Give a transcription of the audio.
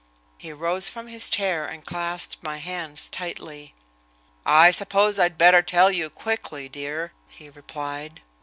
He rose from his chair, and clasped my hands tightly. "I suppose I'd better tell you quickly, dear," he replied.